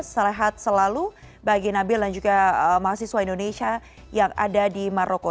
sehat selalu bagi nabil dan juga mahasiswa indonesia yang ada di maroko